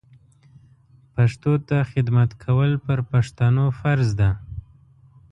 پښتو ته خدمت کول پر پښتنو فرض ده